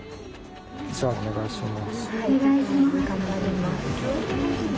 じゃあお願いします。